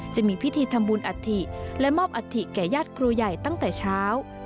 จะมีพิธีทำบุญอัฐิและมอบอัฐิแก่ญาติครูใหญ่ตั้งแต่เช้า